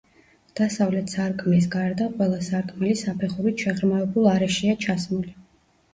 დასავლეთ სარკმლის გარდა, ყველა სარკმელი საფეხურით შეღრმავებულ არეშია ჩასმული.